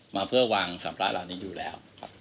มาเพื่อวางสำระเหล่านี้อยู่แล้วครับ